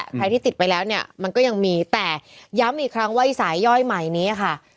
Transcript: อาฆาตใจที่ติดไปแล้วมันก็ยังมีแต่ย่ำอีกครั้งว่าอีสานย่อยไหมเนี่ยคะ